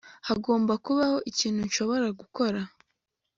hagomba kubaho ikintu nshobora gukora